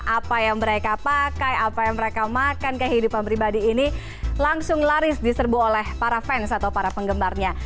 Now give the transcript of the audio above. apa yang mereka pakai apa yang mereka makan kehidupan pribadi ini langsung laris diserbu oleh para fans atau para penggemarnya